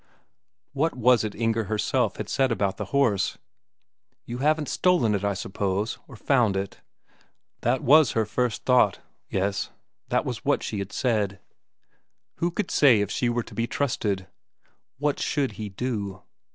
What was it Inger herself had said about the horse: "You haven't stolen it, I suppose, or found it?" That was her first thought, yes. That was what she had said; who could say if she were to be trusted what should he do?